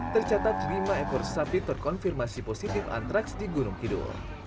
tercatat lima ekor sapi terkonfirmasi positif antraks di gunung kidul